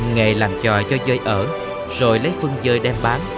nghề làm trò cho dơi ở rồi lấy phân dơi đem bán